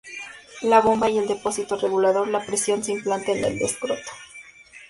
La bomba y el depósito regulador de presión se implanta en el escroto.